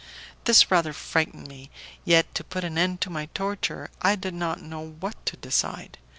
This rather frightened me. Yet, to put an end to my torture, I did not know what to decide.